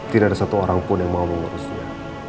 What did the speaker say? tidak ada satu orang pun yang mau mengurusnya